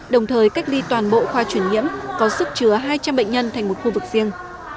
đồng thời cách ly toàn bộ khoa chuyển nhiễm có sức chứa hai trăm linh bệnh nhân thành một khu vực riêng